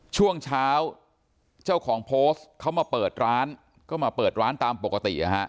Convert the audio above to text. ช่วงเช้าเจ้าของโพสต์เขามาเปิดร้านก็มาเปิดร้านตามปกติ